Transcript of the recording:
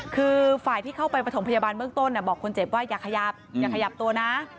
คือฝ่ายที่เข้าไปประถมพยาบาลเบื้องต้นบอกคนเจ็บว่าอย่าขยับตัวนะ